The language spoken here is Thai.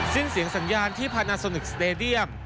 สิ้นเสียงสัญญาณที่พานาสนึกสเตดียม